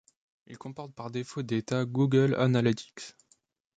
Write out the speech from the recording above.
Il comporte par défauts des tags Google Analytics.